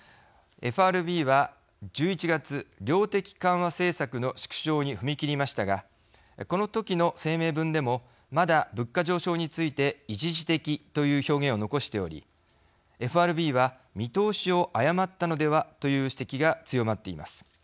ＦＲＢは、１１月量的緩和政策の縮小に踏み切りましたがこのときの声明文でもまだ物価上昇について一時的という表現を残しておりＦＲＢは見通しを誤ったのではという指摘が強まっています。